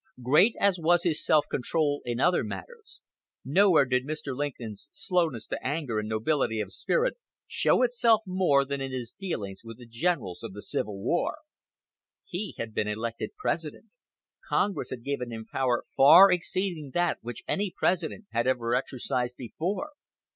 Great as was his self control in other matters, nowhere did Mr. Lincoln's slowness to anger and nobility of spirit show itself more than in his dealings with the generals of the Civil War. He had been elected President. Congress had given him power far exceeding that which any President had ever exercised before.